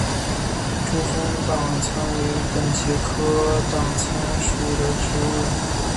珠峰党参为桔梗科党参属的植物。